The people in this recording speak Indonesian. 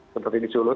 seperti di sulut